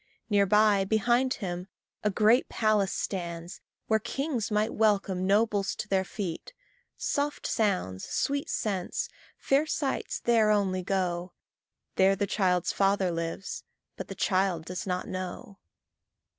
Near by, behind him, a great palace stands, Where kings might welcome nobles to their feet. Soft sounds, sweet scents, fair sights there only go There the child's father lives, but the child does not know.